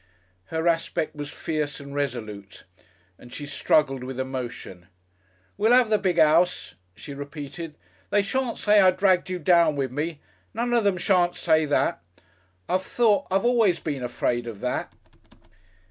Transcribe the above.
Her aspect was fierce and resolute, and she struggled with emotion. "We'll 'ave the big 'ouse," she repeated. "They shan't say I dragged you down wiv' me none of them shan't say that. I've thought I've always been afraid of that."